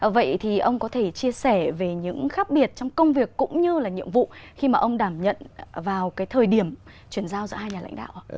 vậy thì ông có thể chia sẻ về những khác biệt trong công việc cũng như là nhiệm vụ khi mà ông đảm nhận vào cái thời điểm chuyển giao giữa hai nhà lãnh đạo